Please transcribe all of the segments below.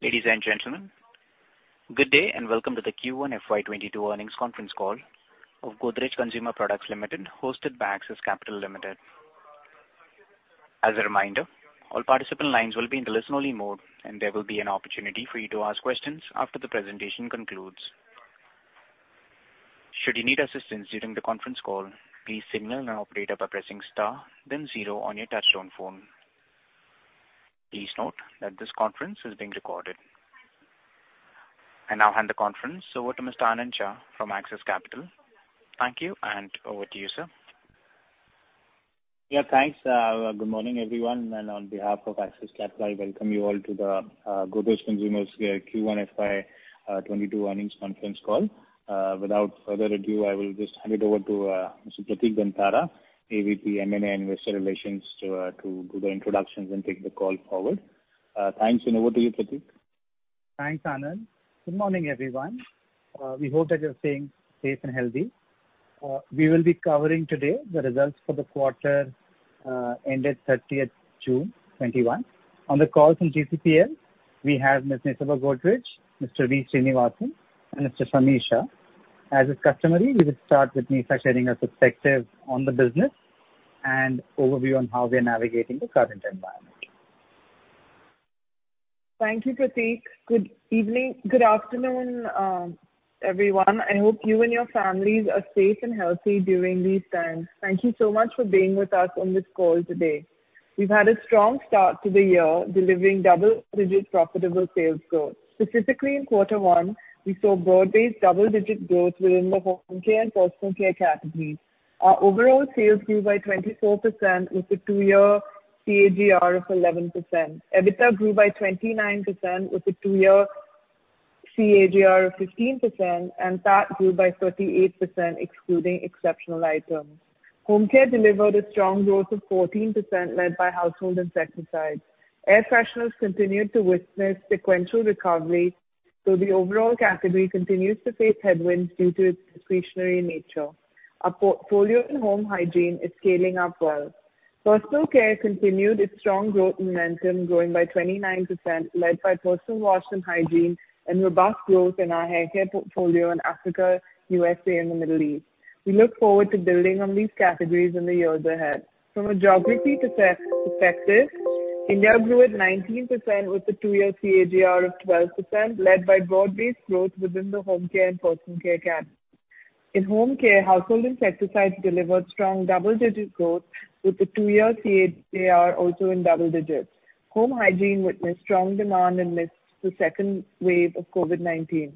Ladies and gentlemen, good day, and welcome to the Q1 FY 2022 Earnings Conference Call of Godrej Consumer Products Limited, hosted by Axis Capital Limited. As a reminder, all participant lines will be in the listen-only mode, and there will be an opportunity for you to ask questions after the presentation concludes. Should you need assistance during the conference call, please signal an operator by pressing star then zero on your touchtone phone. Please note that this conference is being recorded. I now hand the conference over to Mr. Anand Shah from Axis Capital. Thank you, and over to you, sir. Thanks. Good morning, everyone. On behalf of Axis Capital, I welcome you all to the Godrej Consumer Products' Q1 FY 2022 Earnings Conference Call. Without further ado, I will just hand it over to Mr. Pratik Dantara, AVP, M&A and Investor Relations, to do the introductions and take the call forward. Thanks. Over to you, Pratik. Thanks, Anand. Good morning, everyone. We hope that you're staying safe and healthy. We will be covering today the results for the quarter ended 30th June 2021. On the call from GCPL, we have Ms. Nisaba Godrej, Mr. V. Srinivasan, and Mr. Sameer Shah. As is customary, we will start with Nisa sharing her perspective on the business and overview on how we are navigating the current environment. Thank you, Pratik. Good afternoon, everyone. I hope you and your families are safe and healthy during these times. Thank you so much for being with us on this call today. We've had a strong start to the year, delivering double-digit profitable sales growth. Specifically, in quarter one, we saw broad-based double-digit growth within the home care and personal care categories. Our overall sales grew by 24%, with a two-year CAGR of 11%. EBITDA grew by 29%, with a two-year CAGR of 15%. PAT grew by 38%, excluding exceptional items. Home care delivered a strong growth of 14%, led by household insecticides. Air fresheners continued to witness sequential recovery, though the overall category continues to face headwinds due to its discretionary nature. Our portfolio in home hygiene is scaling up well. Personal care continued its strong growth momentum, growing by 29%, led by personal wash and hygiene and robust growth in our hair care portfolio in Africa, USA, and the Middle East. We look forward to building on these categories in the years ahead. From a geography perspective India grew at 19% with the two-year CAGR of 12%, led by broad-based growth within the home care and personal care categories. In home care, household insecticides delivered strong double-digit growth, with the two-year CAGR also in double digits. Home hygiene witnessed strong demand amidst the second wave of COVID-19.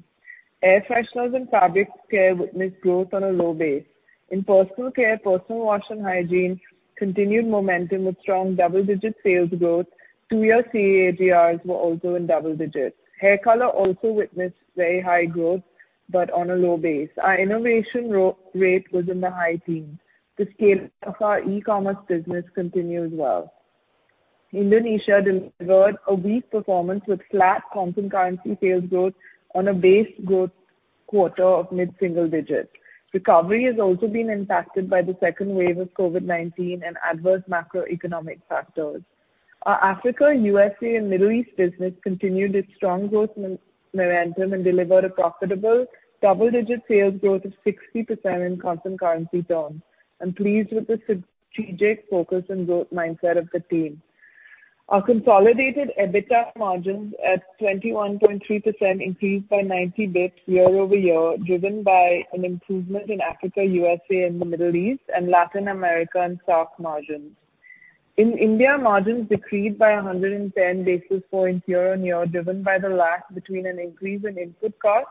Air fresheners and fabric care witnessed growth on a low base. In personal care, personal wash and hygiene continued momentum with strong double-digit sales growth. two-year CAGRs were also in double digits. Hair color also witnessed very high growth, but on a low base. Our innovation rate was in the high teens. The scale of our e-commerce business continued as well. Indonesia delivered a weak performance with flat constant currency sales growth on a base growth quarter of mid-single digits. Recovery has also been impacted by the second wave of COVID-19 and adverse macroeconomic factors. Our Africa, USA, and Middle East business continued its strong growth momentum and delivered a profitable double-digit sales growth of 60% in constant currency terms. I'm pleased with the strategic focus and growth mindset of the team. Our consolidated EBITDA margins at 21.3% increased by 90 basis points year-over-year, driven by an improvement in Africa, USA and the Middle East, and Latin America and SAARC margins. In India, margins decreased by 110 basis points year-on-year, driven by the lag between an increase in input costs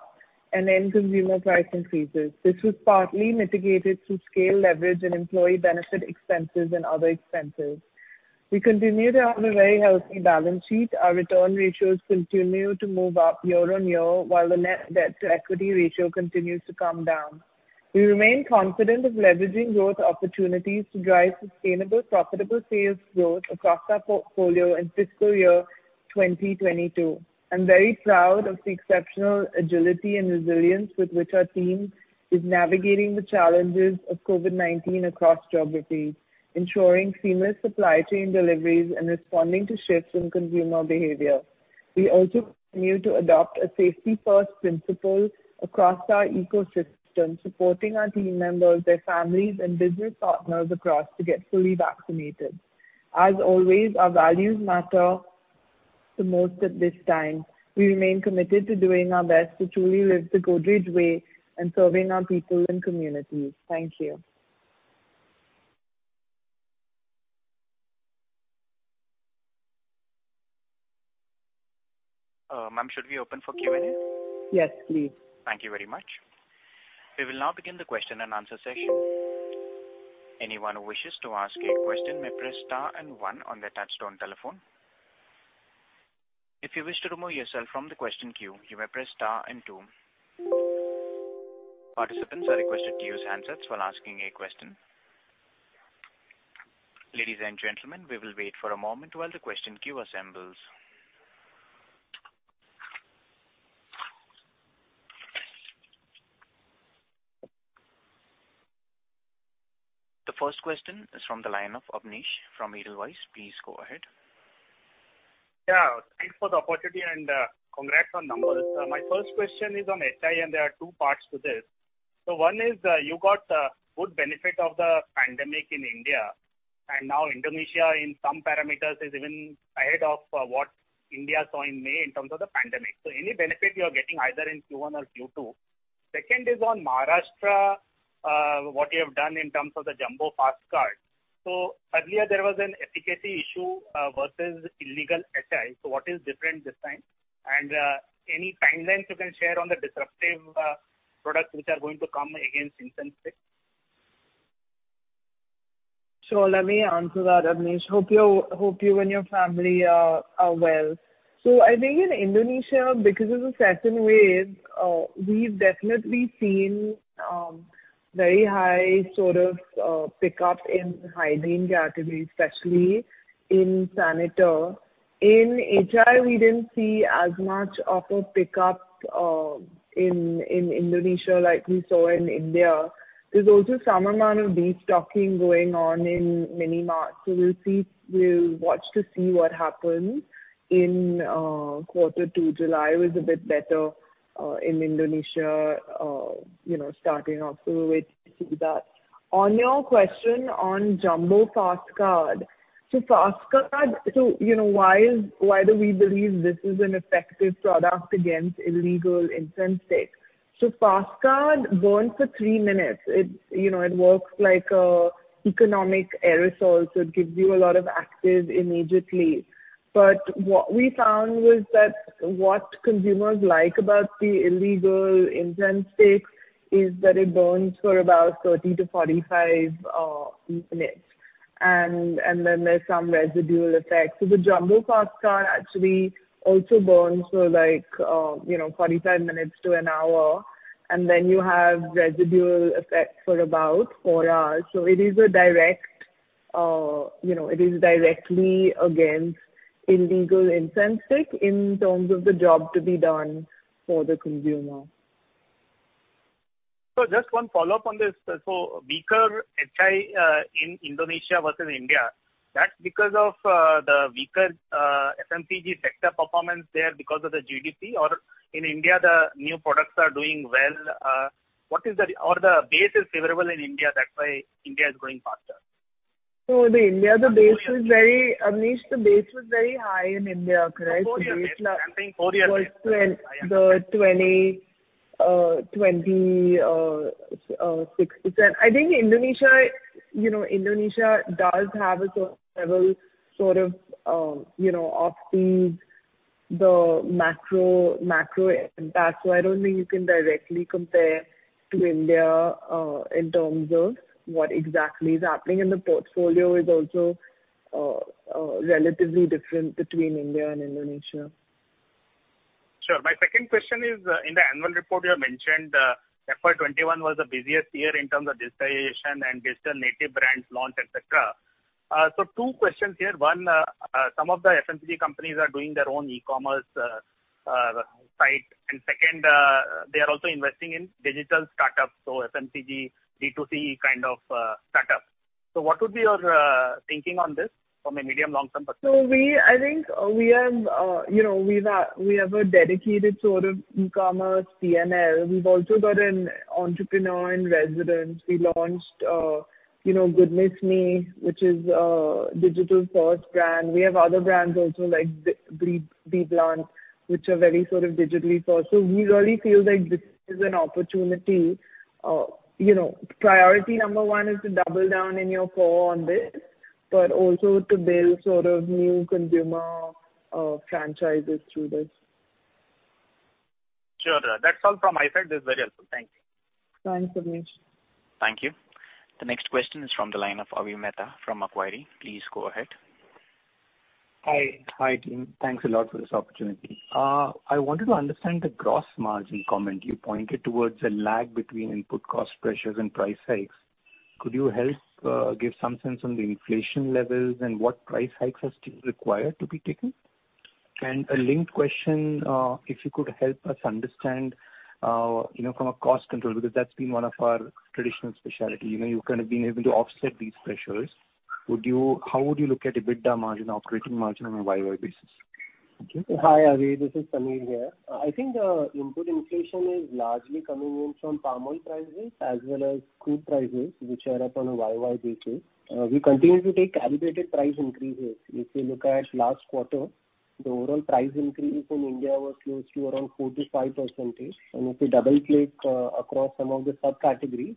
and end consumer price increases. This was partly mitigated through scale leverage in employee benefit expenses and other expenses. We continue to have a very healthy balance sheet. Our return ratios continue to move up year-on-year, while the net debt to equity ratio continues to come down. We remain confident of leveraging growth opportunities to drive sustainable, profitable sales growth across our portfolio in fiscal year 2022. I'm very proud of the exceptional agility and resilience with which our team is navigating the challenges of COVID-19 across geographies, ensuring seamless supply chain deliveries, and responding to shifts in consumer behavior. We also continue to adopt a safety-first principle across our ecosystem, supporting our team members, their families, and business partners across to get fully vaccinated. As always, our values matter the most at this time. We remain committed to doing our best to truly live the Godrej Way and serving our people and communities. Thank you. Ma'am, should we open for Q&A? Yes, please. Thank you very much. We will now begin the question-and-answer session. Anyone who wishes to ask a question may press star and one on their touchtone telephone. If you wish to remove yourself from the question queue, you may press star and two. Participants are requested to use handsets while asking a question. Ladies and gentlemen, we will wait for a moment while the question queue assembles. The first question is from the line of Abneesh from Edelweiss. Please go ahead. Thanks for the opportunity and congrats on numbers. My first question is on HI, there are two parts to this. One is, you got good benefit of the pandemic in India, now Indonesia in some parameters is even ahead of what India saw in May in terms of the pandemic. Any benefit you are getting either in Q1 or Q2? Second is on Maharashtra, what you have done in terms of the Jumbo Fast Card. Earlier there was an efficacy issue versus illegal HI. What is different this time? Any timelines you can share on the disruptive products which are going to come against incense sticks? Sure. Let me answer that, Abneesh. Hope you and your family are well. I think in Indonesia, because of the second wave, we've definitely seen very high sort of pickup in hygiene categories, especially in sanitizer. In HI, we didn't see as much of a pickup in Indonesia like we saw in India. There's also some amount of destocking going on in mini mart. We'll watch to see what happens in quarter two. July was a bit better in Indonesia starting off. We'll wait to see that. On your question on Jumbo Fast Card. Why do we believe this is an effective product against illegal incense sticks? Fast Card burns for three minutes. It works like a economic aerosol, so it gives you a lot of actives immediately. What we found was that what consumers like about the illegal incense sticks is that it burns for about 30 to 45 minutes, and then there's some residual effect. The Jumbo Fast Card actually also burns for 45 minutes to an hour, and then you have residual effect for about four hours. It is directly against illegal incense stick in terms of the job to be done for the consumer. Just one follow-up on this. Weaker HI in Indonesia versus India, that's because of the weaker FMCG sector performance there because of the GDP? In India, the new products are doing well? The base is favorable in India, that's why India is growing faster? No, in India, Abneesh, the base was very high in India, correct? I'm saying four years base. The 2016. I think Indonesia does have a sort of level of these, the macro impact. I don't think you can directly compare to India, in terms of what exactly is happening. The portfolio is also relatively different between India and Indonesia. Sure. My second question is, in the annual report you have mentioned FY 2021 was the busiest year in terms of digitization and digital native brands launch, etc. Two questions here. One, some of the FMCG companies are doing their own e-commerce site, and second, they are also investing in digital startups. FMCG D2C kind of startups. What would be your thinking on this from a medium long-term perspective? I think we have a dedicated sort of e-commerce P&L. We've also got an entrepreneur in residence. We launched goodnessme, which is a digital-first brand. We have other brands also like BBLUNT, which are very sort of digitally first. We really feel like this is an opportunity. Priority number one is to double down in your core on this, but also to build sort of new consumer franchises through this. Sure. That's all from my side. This is very helpful. Thank you. Thanks, Abneesh. Thank you. The next question is from the line of Avi Mehta from Macquarie. Please go ahead. Hi, team. Thanks a lot for this opportunity. I wanted to understand the gross margin comment. You pointed towards a lag between input cost pressures and price hikes. Could you help give some sense on the inflation levels and what price hikes are still required to be taken? A linked question, if you could help us understand from a cost control, because that's been one of our traditional specialty. You've kind of been able to offset these pressures. How would you look at EBITDA margin, operating margin on a YoY basis? Hi, Avi, this is Sameer here. I think the input inflation is largely coming in from palm oil prices as well as crude prices, which are up on a YoY basis. We continue to take calibrated price increases. If you look at last quarter, the overall price increases in India was close to around 45%. If you double-click across some of the subcategories,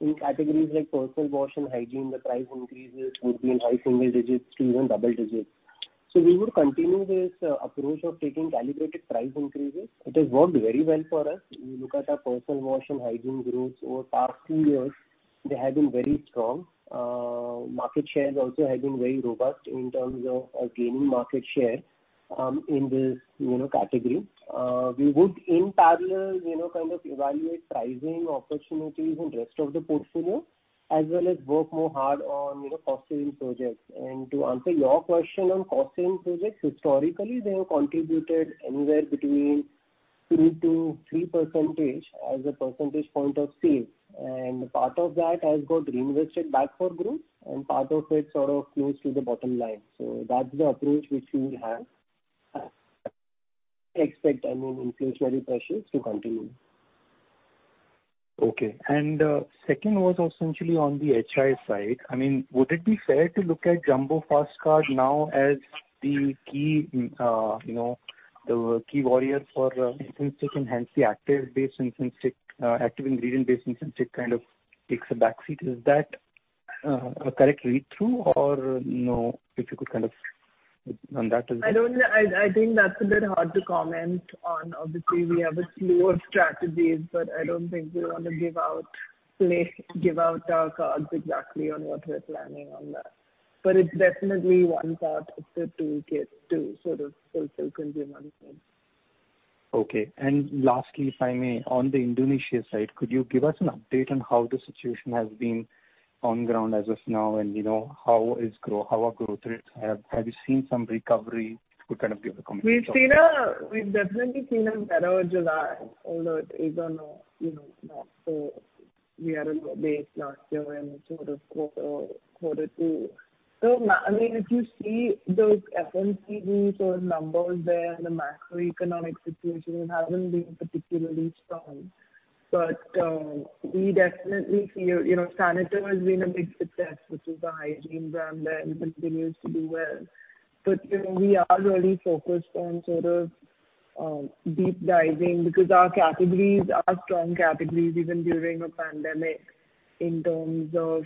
in categories like personal wash and hygiene, the price increases would be in high single digits to even double digits. We would continue this approach of taking calibrated price increases. It has worked very well for us. You look at our personal wash and hygiene growth over past two years, they have been very strong. Market shares also have been very robust in terms of gaining market share in this category. We would, in parallel, kind of evaluate pricing opportunities in rest of the portfolio, as well as work more hard on cost-saving projects. To answer your question on cost-saving projects, historically, they have contributed anywhere between 2%-3% as a percentage point of sales. Part of that has got reinvested back for growth, and part of it sort of flows to the bottom line. That's the approach which we have. Expect inflationary pressures to continue. Okay. Second was essentially on the HI side. Would it be fair to look at Jumbo Fast Card now as the key warrior for incense stick, hence the active ingredient based incense stick kind of takes a back seat. Is that a correct read-through or no? If you could kind of on that as well. I think that's a bit hard to comment on. Obviously, we have a slew of strategies, but I don't think we want to give out our cards exactly on what we're planning on that. It's definitely one part of the toolkit to sort of fulfill consumer needs. Okay. Lastly, if I may, on the Indonesia side, could you give us an update on how the situation has been on ground as of now? Have you seen some recovery? Could kind of give a comment. We've definitely seen a better July, although it is on a low base last year in Q2. If you see those FMCG sort of numbers there, and the macroeconomic situation haven't been particularly strong. We definitely feel Saniter has been a big success, which is a hygiene brand there, and continues to do well. We are really focused on sort of deep diving because our categories are strong categories even during a pandemic in terms of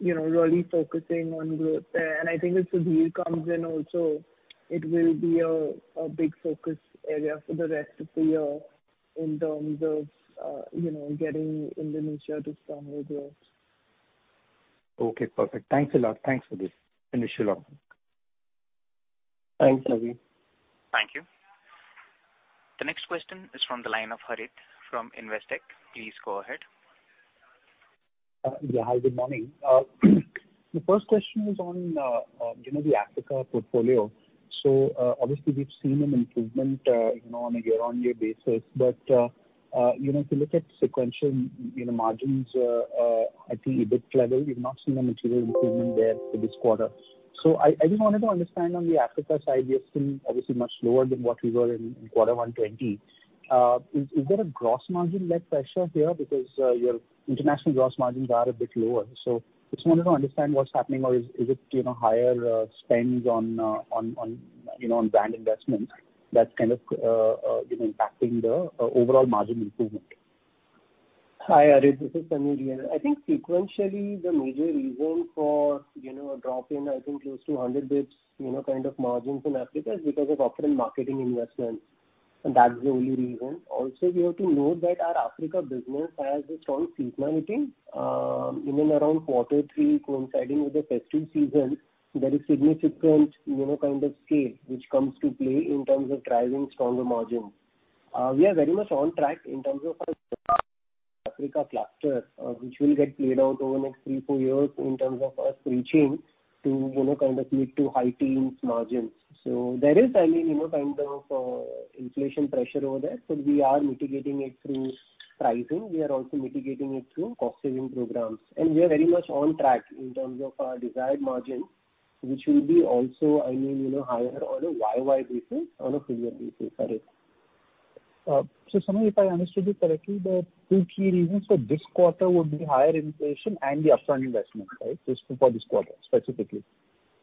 really focusing on growth there. I think as Sudhir comes in also, it will be a big focus area for the rest of the year in terms of getting Indonesia to stronger growth. Okay, perfect. Thanks a lot. Thanks for this initial update. Thanks, Avi. Thank you. The next question is from the line of Harit from Investec. Please go ahead. Yeah. Hi, good morning. The first question is on the Africa portfolio. Obviously we've seen an improvement on a year-on-year basis. If you look at sequential margins at the EBIT level, we've not seen a material improvement there for this quarter. I just wanted to understand on the Africa side, we are still obviously much lower than what we were in Q1 2020. Is there a gross margin led pressure here because your international gross margins are a bit lower? Just wanted to understand what's happening or is it higher spends on brand investments that's kind of impacting the overall margin improvement? Hi, Harit, this is Sunil here. I think sequentially, the major reason for a drop in, I think close to 100 basis points kind of margins in Africa is because of upfront marketing investments, and that's the only reason. Also, we have to note that our Africa business has a strong seasonality in and around quarter three coinciding with the festive season. There is significant scale which comes to play in terms of driving stronger margins. We are very much on track in terms of our Africa cluster, which will get played out over the next three, four years in terms of us reaching to kind of mid to high teens margins. There is, I mean, kind of inflation pressure over there, but we are mitigating it through pricing. We are also mitigating it through cost-saving programs. We are very much on track in terms of our desired margin, which will be also higher on a YoY basis on a full year basis, Harit. Sunil, if I understood you correctly, the two key reasons for this quarter would be higher inflation and the upfront investment, right? Just for this quarter specifically.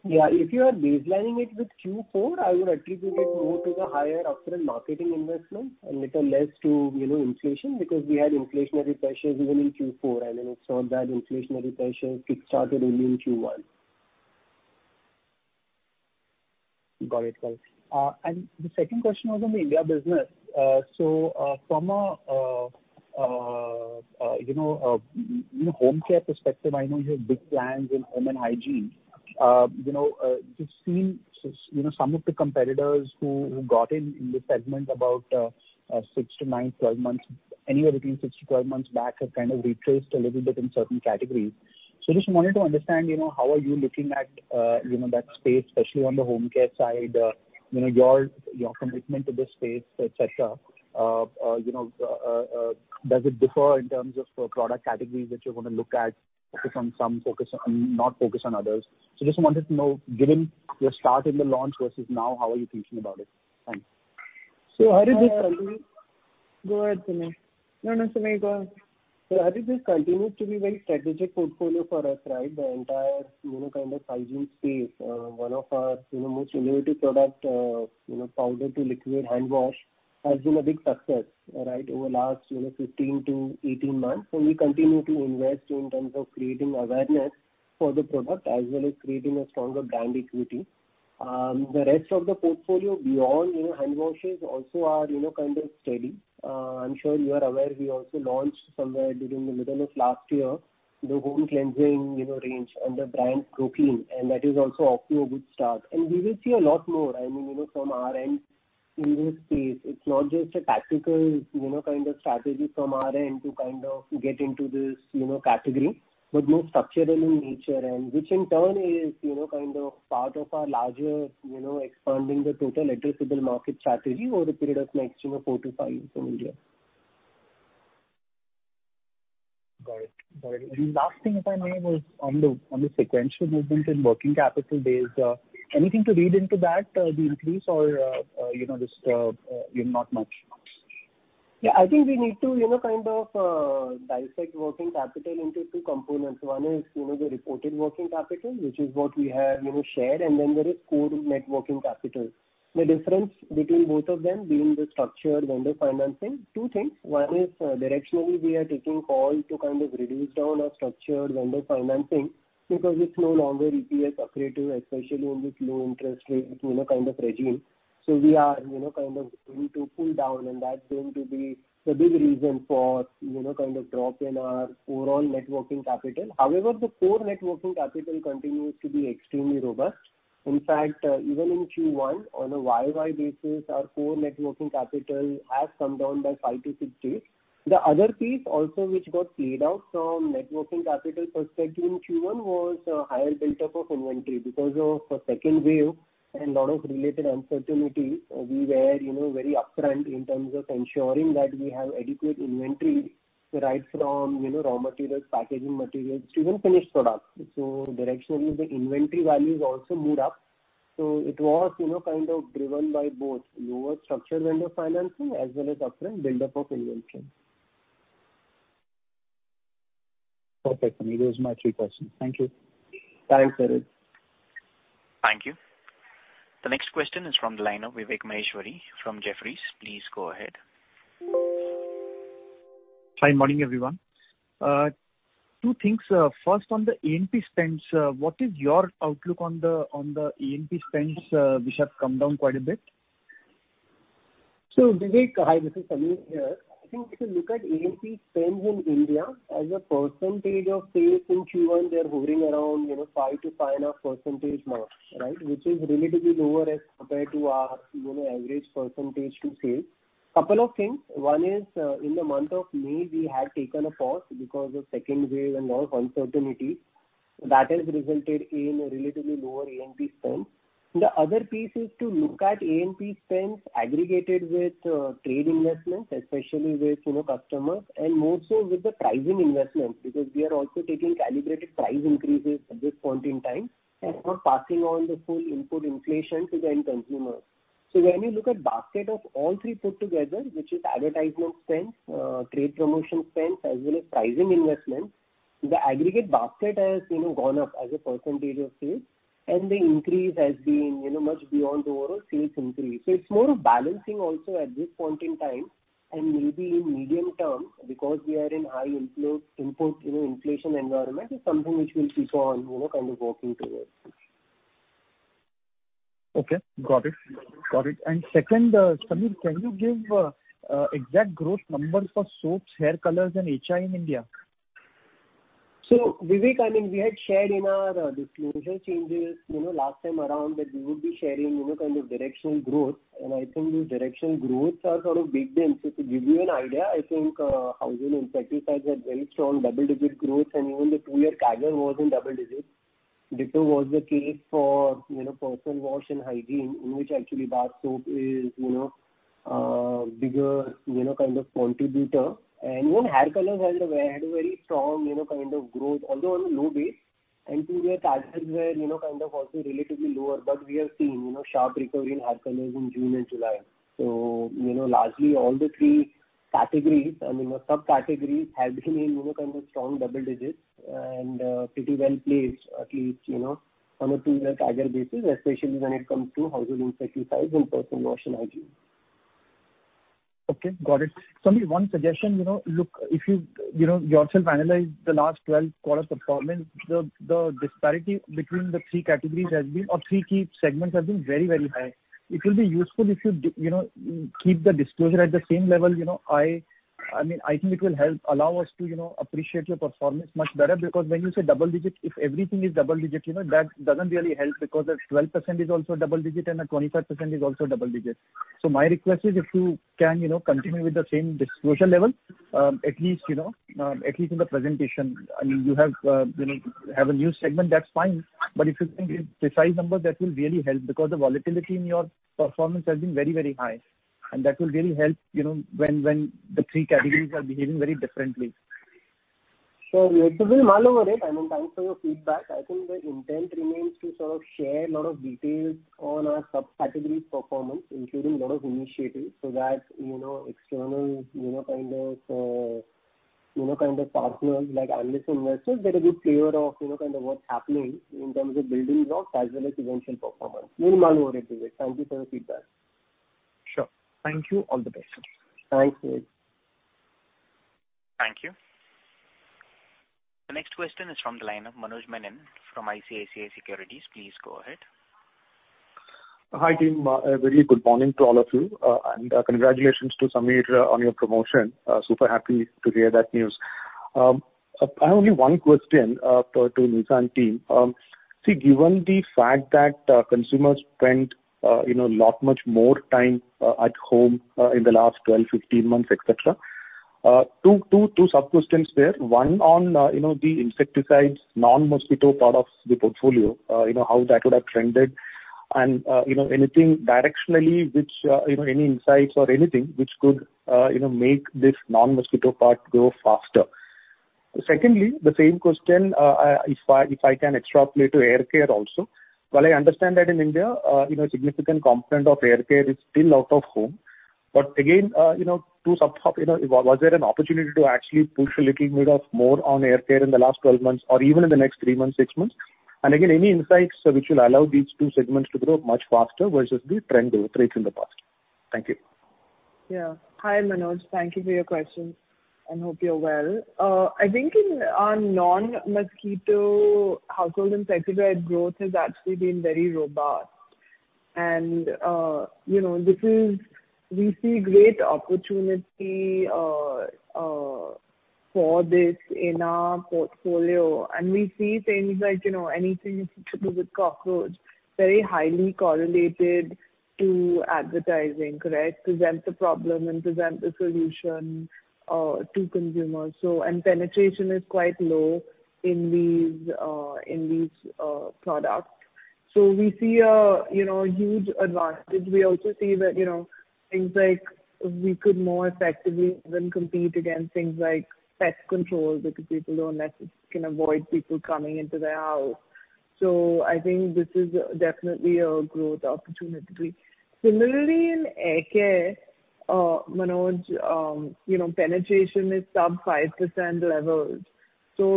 Yeah. If you are baselining it with Q4, I would attribute it more to the higher upfront marketing investment and little less to inflation because we had inflationary pressures even in Q4. It's not that inflationary pressures kickstarted only in Q1. Got it. The second question was on the India business. From a home care perspective, I know you have big plans in home and hygiene. We've seen some of the competitors who got in this segment about six to nine, 12 months, anywhere between 6-12 months back, have kind of retraced a little bit in certain categories. Just wanted to understand how are you looking at that space, especially on the home care side, your commitment to this space, etc. Does it differ in terms of product categories that you're going to look at, focus on some, not focus on others? Just wanted to know, given your start in the launch versus now, how are you thinking about it? Thanks. Harit. Go ahead, Sunil. No, Sunil, go ahead. Harit, this continues to be very strategic portfolio for us, right? The entire kind of hygiene space. One of our most innovative product, powder to liquid handwash, has been a big success over the last 15 to 18 months, and we continue to invest in terms of creating awareness for the product as well as creating a stronger brand equity. The rest of the portfolio beyond hand washes also are kind of steady. I'm sure you are aware we also launched somewhere during the middle of last year, the home cleansing range under brand ProClean, and that is also off to a good start. We will see a lot more from our end in this space. It's not just a tactical kind of strategy from our end to get into this category, but more structural in nature, and which in turn is part of our larger expanding the total addressable market strategy over a period of next four to five years in India. Sorry. Last thing, if I may, was on the sequential movement in working capital days. Anything to read into that, the increase or just not much? Yeah, I think we need to kind of dissect working capital into two components. One is the reported working capital, which is what we have shared, and then there is core net working capital. The difference between both of them being the structured vendor financing. Two things. One is directionally, we are taking call to kind of reduce down our structured vendor financing because it's no longer EPS accretive, especially in this low interest rate kind of regime. We are going to pull down and that's going to be the big reason for drop in our overall net working capital. The core net working capital continues to be extremely robust. In fact, even in Q1 on a YoY basis, our core net working capital has come down by five to six days. The other piece also which got played out from net working capital perspective in Q1 was a higher buildup of inventory because of the second wave and lot of related uncertainties. We were very upfront in terms of ensuring that we have adequate inventory right from raw materials, packaging materials, to even finished products. Directionally, the inventory values also moved up. It was kind of driven by both lower structured vendor financing as well as upfront buildup of inventory. Perfect. Those are my three questions. Thank you. Thanks, Harit. Thank you. The next question is from the line of Vivek Maheshwari from Jefferies. Please go ahead. Hi morning, everyone. Two things. First, on the A&P spends, what is your outlook on the A&P spends, which have come down quite a bit? Vivek. Hi, this is Sameer here. I think if you look at A&P spends in India as a percentage of sales in Q1, they are hovering around 5%-5.5% now, right? Which is relatively lower as compared to our average percentage to sales. Couple of things. One is, in the month of May, we had taken a pause because of second wave and lot of uncertainties. That has resulted in a relatively lower A&P spend. The other piece is to look at A&P spends aggregated with trade investments, especially with customers and more so with the pricing investments. We are also taking calibrated price increases at this point in time and not passing on the full input inflation to the end consumer. When you look at basket of all three put together, which is advertisement spends, trade promotion spends, as well as pricing investments, the aggregate basket has gone up as a percentage of sales, and the increase has been much beyond overall sales increase. It's more of balancing also at this point in time, and maybe in medium term because we are in high input inflation environment is something which we'll keep on kind of working towards. Okay, got it. Second, Sameer, can you give exact growth numbers for soaps, hair colors and HI in India? Vivek, we had shared in our disclosure changes last time around that we would be sharing kind of directional growth and I think the directional growths are sort of baked in. To give you an idea, I think household insecticides had very strong double-digit growth and even the two-year CAGR was in double digits. Ditto was the case for personal wash and hygiene, in which actually, bar soap is bigger contributor. Even hair colors had a very strong kind of growth, although on a low base, and two-year CAGRs were kind of also relatively lower. We are seeing sharp recovery in hair colors in June and July. Largely all the three categories, subcategories have been in kind of strong double digits and pretty well placed at least on a two-year CAGR basis, especially when it comes to household insecticides and personal wash and hygiene. Okay, got it. Sameer, one suggestion. Look, if you yourself analyze the last 12 quarters performance, the disparity between the three categories has been, or three key segments have been very high. It will be useful if you keep the disclosure at the same level. I think it will help allow us to appreciate your performance much better because when you say double digit, if everything is double digit, that doesn't really help because a 12% is also double digit and a 25% is also double digit. My request is if you can continue with the same disclosure level, at least in the presentation. You have a new segment, that's fine. If you can give precise numbers that will really help because the volatility in your performance has been very high, and that will really help when the three categories are behaving very differently. Sure. We are totally fine over it and thanks for your feedback. I think the intent remains to sort of share lot of details on our subcategories performance, including lot of initiatives so that external kind of partners like analysts, investors get a good flavor of what's happening in terms of building blocks as well as eventual performance. We're fine over it, Vivek. Thank you for your feedback. Sure. Thank you. All the best. Thanks, Vivek. Thank you. The next question is from the line of Manoj Menon from ICICI Securities. Please go ahead. Hi team. A very good morning to all of you. Congratulations to Sameer on your promotion. Super happy to hear that news. I have only one question to Nisa's team. See, given the fact that consumers spent a lot much more time at home in the last 12, 15 months, etc. Two sub-questions there. One on the insecticides, non-mosquito part of the portfolio, how that would have trended. Anything directionally, which any insights or anything which could make this non-mosquito part grow faster. Secondly, the same question, if I can extrapolate to air care also. While I understand that in India, significant component of air care is still out of home. Again, to some thought, was there an opportunity to actually push a little bit of more on air care in the last 12 months or even in the next three months, six months? Again, any insights which will allow these two segments to grow much faster versus the trend over rates in the past? Thank you. Yeah. Hi, Manoj. Thank you for your questions. Hope you're well. I think in our non-mosquito household insecticides growth has actually been very robust. We see great opportunity for this in our portfolio. We see things like anything to do with cockroach, very highly correlated to advertising, correct? Present the problem and present the solution to consumers. Penetration is quite low in these products. We see a huge advantage. We also see that things like we could more effectively then compete against things like pest control because people can avoid people coming into their house. I think this is definitely a growth opportunity. Similarly, in air care, Manoj, penetration is sub 5% levels.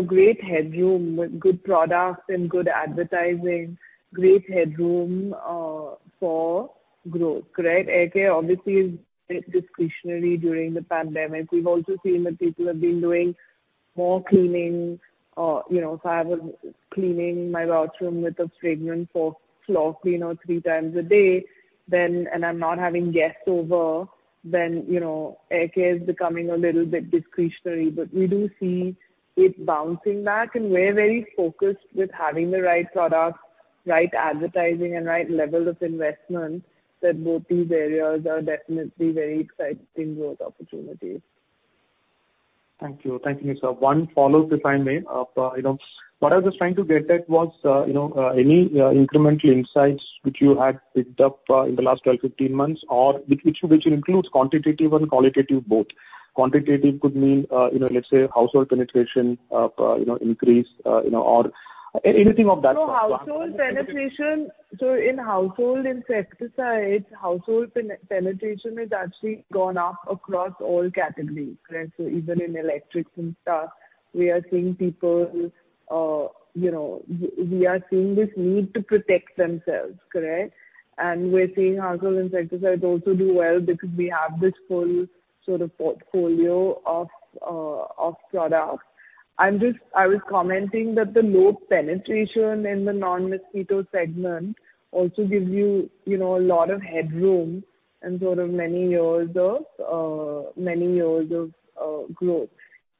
Great headroom with good products and good advertising, great headroom for growth, correct? Air care obviously is discretionary during the pandemic. We've also seen that people have been doing more cleaning. I was cleaning my bathroom with a fragrant floor cleaner three times a day and I'm not having guests over, then air care is becoming a little bit discretionary. We do see it bouncing back, and we're very focused with having the right product, right advertising, and right level of investment that both these areas are definitely very exciting growth opportunities. Thank you, Nisa. One follow up, if I may. What I was just trying to get at was any incremental insights which you had picked up in the last 12, 15 months or which includes quantitative and qualitative both. Quantitative could mean let's say household penetration increase or anything of that sort. In household insecticides, household penetration has actually gone up across all categories. Even in electrics and stuff, we are seeing this need to protect themselves, correct? We're seeing household insecticides also do well because we have this full sort of portfolio of products. I was commenting that the low penetration in the non-mosquito segment also gives you a lot of headroom and sort of many years of growth.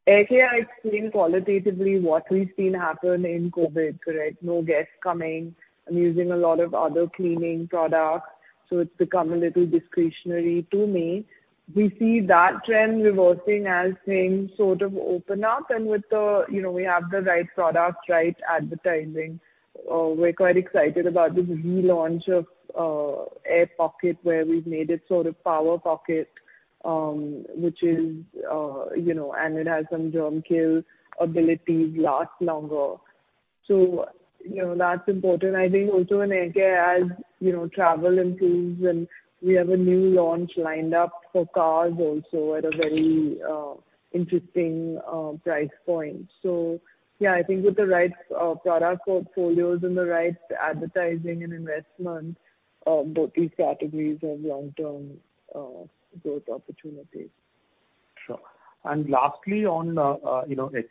Air care, I explained qualitatively what we've seen happen in COVID-19, correct? No guests coming. I'm using a lot of other cleaning products, so it's become a little discretionary to me. We see that trend reversing as things sort of open up and we have the right product, right advertising. We're quite excited about this relaunch of aer pocket, where we've made it sort of Power Pocket and it has some germ kill abilities, last longer. That's important. I think also in air care, as travel improves and we have a new launch lined up for cars also at a very interesting price point. Yeah, I think with the right product portfolios and the right advertising and investment, both these categories have long-term growth opportunities. Sure. Lastly on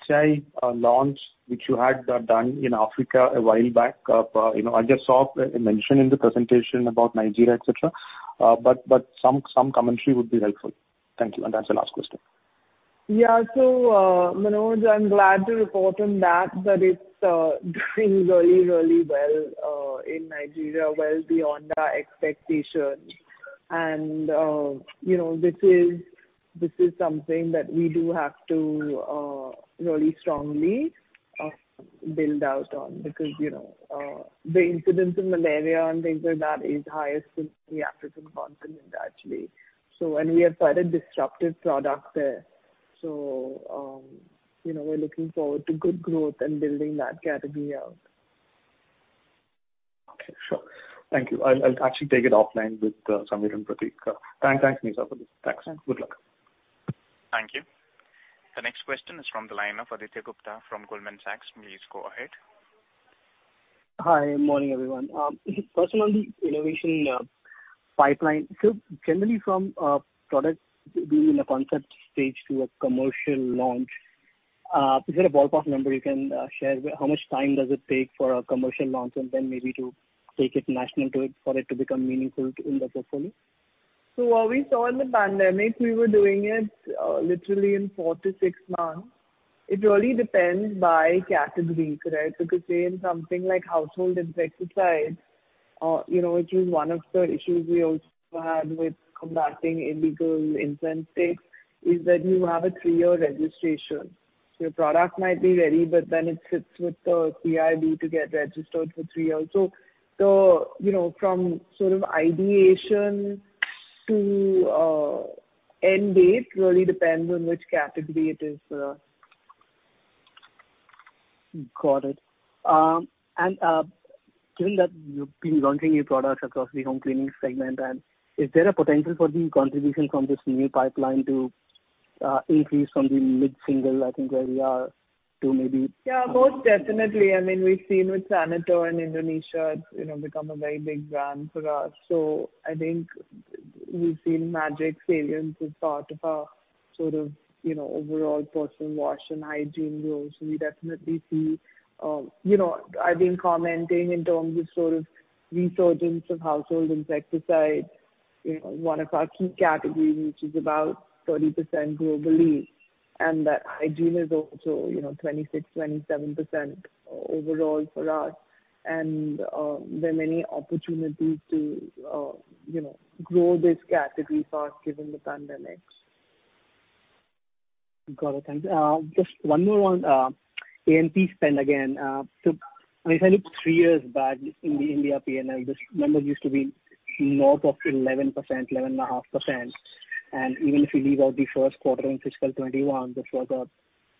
HI launch, which you had done in Africa a while back. I just saw a mention in the presentation about Nigeria, etc. Some commentary would be helpful. Thank you. That's the last question. Yeah. Manoj, I'm glad to report on that it's doing really, really well in Nigeria. Well beyond our expectations. This is something that we do have to really strongly build out on because the incidence of malaria and things like that is highest in the African continent, actually. We have quite a disruptive product there. We're looking forward to good growth and building that category out. Okay, sure. Thank you. I'll actually take it offline with Sameer and Pratik. Thanks, Nisaba. Good luck. Thank you. The next question is from the line of Aditya Gupta from Goldman Sachs. Please go ahead. Hi. Morning, everyone. First on the innovation pipeline. Generally from a product being in a concept stage to a commercial launch, is there a ballpark number you can share? How much time does it take for a commercial launch and then maybe to take it national for it to become meaningful in the portfolio? What we saw in the pandemic, we were doing it literally in four to six months. It really depends by category, correct? Could say in something like household insecticides, which is one of the issues we also had with combating illegal insecticides, is that you have a three-year registration. Your product might be ready, but then it sits with the CIB to get registered for three years. From sort of ideation to end date really depends on which category it is. Got it. Given that you've been launching new products across the home cleaning segment, is there a potential for the contribution from this new pipeline to increase from the mid-single, I think where we are, to maybe? Yeah, most definitely. We've seen with Saniter in Indonesia, it's become a very big brand for us. I think we've seen Magic's variants as part of our sort of overall personal wash and hygiene roles. I've been commenting in terms of sort of resurgence of household insecticides, one of our key categories, which is about 30% globally, and that hygiene is also 26%, 27% overall for us. There are many opportunities to grow this category fast, given the pandemic. Got it. Thanks. Just one more one. A&P spend again. If I look three years back in the India P&L, this number used to be north of 11%, 11.5%. Even if you leave out the first quarter in FY 2021, this was a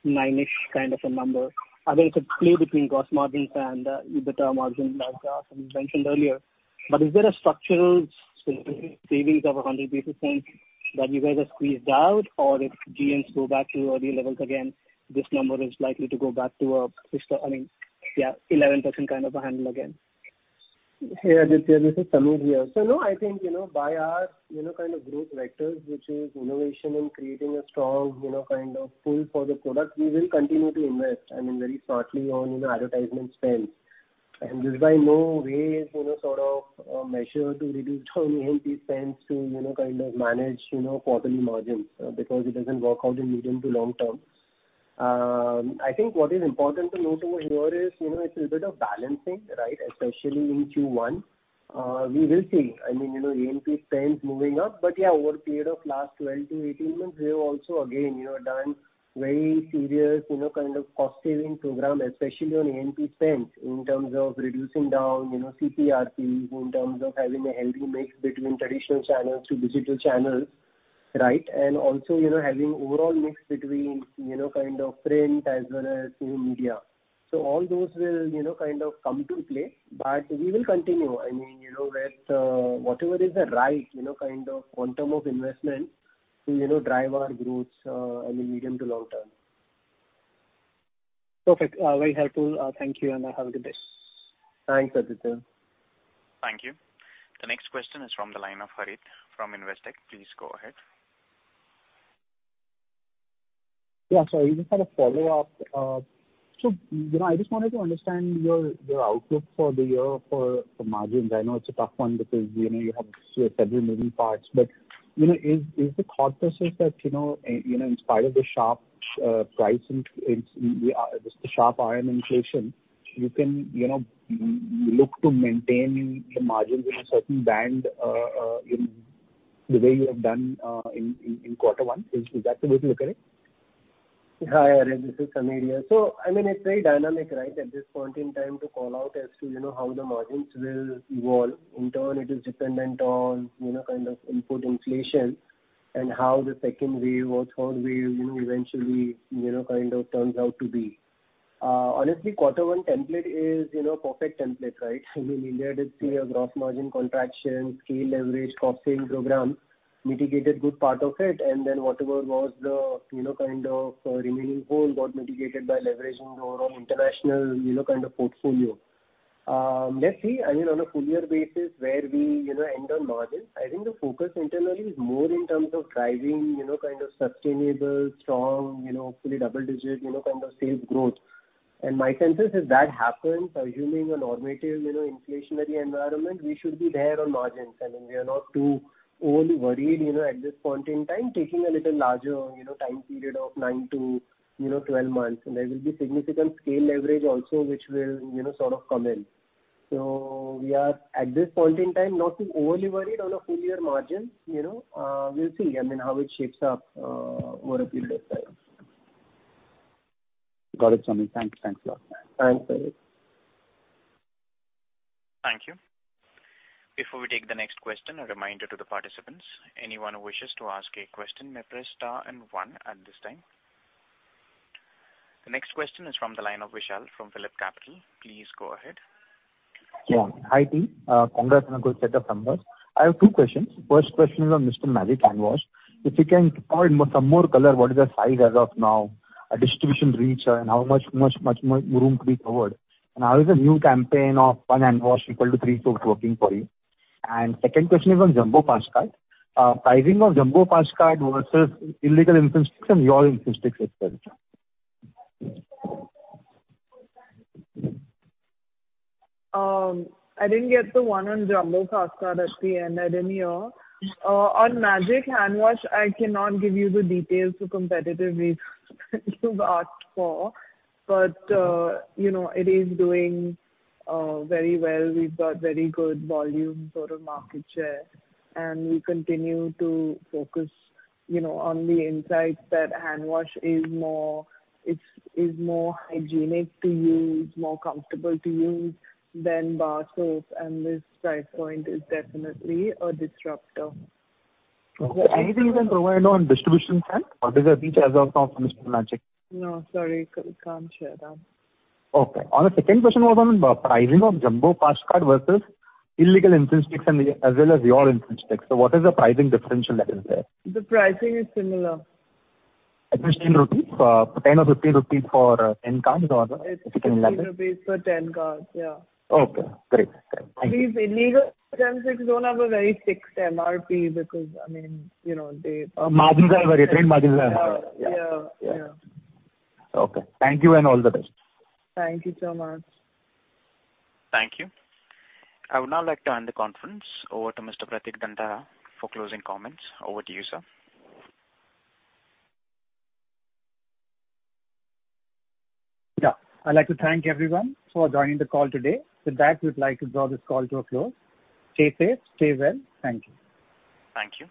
nine-ish kind of a number. I mean, it's a play between gross margins and EBITDA margin, like Sameer mentioned earlier. Is there a structural savings of 100 basis points that you guys have squeezed out? If GMs go back to earlier levels again, this number is likely to go back to a 11% kind of a handle again? Hey, Aditya, this is Sameer here. No, I think, by our kind of growth vectors, which is innovation and creating a strong kind of pull for the product, we will continue to invest, I mean, very smartly on advertisement spend. This is by no way is sort of a measure to reduce down A&P spends to kind of manage quarterly margins because it doesn't work out in medium-to-long term. I think what is important to note over here is, it's a little bit of balancing, right? Especially in Q1. We will see. I mean, A&P spends moving up. Over a period of last 12 to 18 months, we have also again, done very serious cost-saving program, especially on A&P spends in terms of reducing down CPRPs, in terms of having a healthy mix between traditional channels to digital channels, right? Also, having overall mix between print as well as TV media. All those will kind of come into play. We will continue, I mean, with whatever is the right kind of quantum of investment to drive our growth in the medium to long term. Perfect. Very helpful. Thank you. Have a good day. Thanks, Aditya. Thank you. The next question is from the line of Harit from Investec. Please go ahead. Yeah, even kind of follow up. I just wanted to understand your outlook for the year for margins. I know it's a tough one because you have several moving parts. Is the thought process that in spite of the sharp price increase, the sharp input inflation, you can look to maintain the margins in a certain band the way you have done in quarter one? Is that the way to look at it? Hi, Harit, this is Sameer here. I mean, it's very dynamic, right? At this point in time to call out as to how the margins will evolve. In turn, it is dependent on kind of input inflation and how the second wave or third wave eventually kind of turns out to be. Honestly, quarter one template is perfect template, right? I mean, India did see a gross margin contraction, scale leverage, cost-saving program mitigated good part of it, and then whatever was the kind of remaining hole got mitigated by leveraging the overall international portfolio. Let's see, I mean, on a full year basis where we end on margins. I think the focus internally is more in terms of driving sustainable, strong, hopefully double-digit kind of sales growth. My sense is if that happens, assuming a normative inflationary environment, we should be there on margins. I mean, we are not too overly worried, at this point in time, taking a little larger time period of 9 to 12 months. There will be significant scale leverage also, which will sort of come in. We are, at this point in time, not too overly worried on a full year margin. We'll see, I mean, how it shapes up over a period of time. Got it, Sameer. Thanks. Thanks a lot. Thanks, Harit. Thank you. Before we take the next question, a reminder to the participants, anyone who wishes to ask a question, may press star and one at this time. The next question is from the line of Vishal from Phillip Capital. Please go ahead. Yeah. Hi, team. Congrats on a good set of numbers. I have two questions. First question is on Mr. Magic Handwash. If you can color some more color, what is the size as of now? Distribution reach and how much more room to be covered. How is the new campaign of one handwash equal to three soaps working for you? Second question is on Jumbo Fast Card. Pricing of Jumbo Fast Card versus illegal incense sticks and your incense sticks as well. I didn't get the one on Jumbo Fast Card at the end. I didn't hear. On Magic Handwash, I cannot give you the details for competitive reasons that you've asked for. It is doing very well. We've got very good volume sort of market share, and we continue to focus on the insight that handwash is more hygienic to use, more comfortable to use than bar soap, and this price point is definitely a disruptor. Okay. Anything you can provide on distribution side? Does it reach as of now finished on Magic? No, sorry. We can't share that. Okay. Our second question was on pricing of Jumbo Fast Card versus illegal incense sticks and as well as your incense sticks. What is the pricing differential that is there? The pricing is similar. At 15 rupees, 10 or 15 rupees for 10 cards or what? It's 15 rupees for 10 cards. Yeah. Okay, great. Thank you. These illegal incense sticks don't have a very fixed MRP. Margins are very thin. Yeah. Okay. Thank you, and all the best. Thank you so much. Thank you. I would now like to hand the conference over to Mr. Pratik Dantara for closing comments. Over to you, sir. Yeah. I'd like to thank everyone for joining the call today. With that, we'd like to draw this call to a close. Stay safe. Stay well. Thank you. Thank you.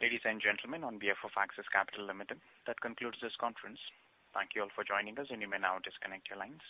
Ladies and gentlemen, on behalf of Axis Capital Limited, that concludes this conference. Thank you all for joining us, and you may now disconnect your lines.